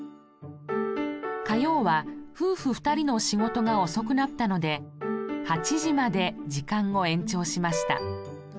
火曜は夫婦２人の仕事が遅くなったので８時まで時間を延長しました。